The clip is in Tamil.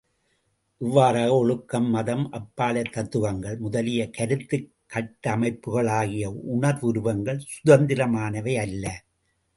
இவ்வாறாக ஒழுக்கம், மதம், அப்பாலைத் தத்துவங்கள் முதலிய கருத்துக் கட்டமைப்புகளாகிய உணர்வுருவங்கள் சுதந்திரமானவையல்ல.